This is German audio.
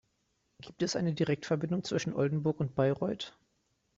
Gibt es eine Direktverbindung zwischen Oldenburg und Bayreuth?